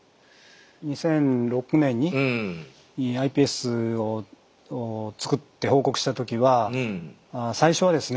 ２００６年にｉＰＳを作って報告した時は最初はですね